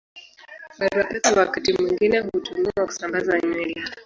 Barua Pepe wakati mwingine hutumiwa kusambaza nywila.